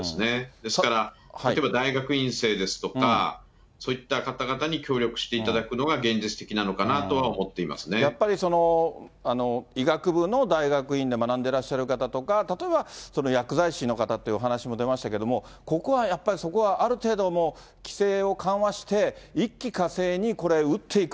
ですから、例えば大学院生ですとか、そういった方々に協力していただくのが現実的なのかなとは思ってやっぱり、医学部の大学院で学んでらっしゃる方とか、例えば、薬剤師の方というお話も出ましたけれども、ここはやっぱり、そこはある程度、規制を緩和して、一気かせいにこれ、打っていく。